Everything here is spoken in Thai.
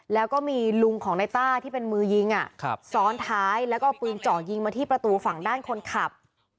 แล้วก็มีลุงของในต้าที่เป็นมือยิงซ้อนท้ายแล้วก็เอาปืนเจาะยิงมาที่ประตูฝั่งด้านคนขับ